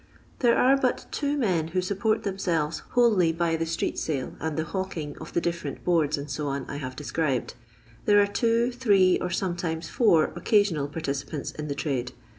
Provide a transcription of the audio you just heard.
There are but two men who support themselves wholly by the street sale and the hawking of the diflbrent boards, &c., I have described. There are two, three, or sometimes four occasional par ticipants in the trade.